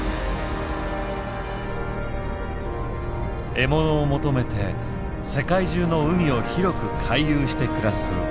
獲物を求めて世界中の海を広く回遊して暮らすこのクジラ。